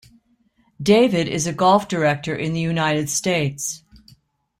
David is a golf director in the United States.